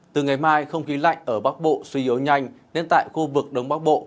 từ ngày mai không khí lạnh ở bắc bộ suy yếu nhanh nên tại khu vực đông bắc bộ